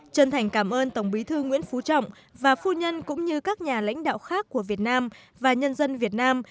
chân thành cảm ơn tổng bí thư nguyễn phú trọng và phu nhân cũng như các nhà lãnh đạo khác của việt nam và nhân dân việt nam